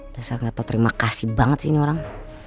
dasar gak tau terima kasih banget sih ini orang